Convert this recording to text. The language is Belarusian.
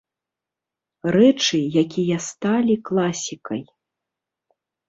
Рэчы, якія сталі класікай.